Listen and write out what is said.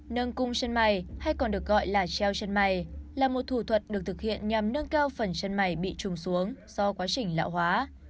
nâng cung chân mày hay còn được gọi là treo chân mày là một thủ thuật được thực hiện nhằm nâng cao phần chân mày bị trùng xuống do quá trình lão hóa